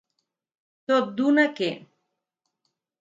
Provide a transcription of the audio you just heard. Tot d'una que.